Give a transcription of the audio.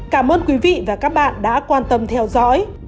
cảm ơn quý vị và các bạn đã quan tâm theo dõi